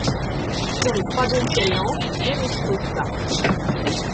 Sur les trois bombes qu'elle lance, deux n'explosent pas.